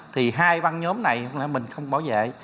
thì hai băng nhóm này mình không bảo vệ